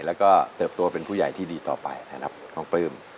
แล้วก็เติบโตเป็นผู้ใหญ่ที่ดีต่อไปนะครับน้องปลื้ม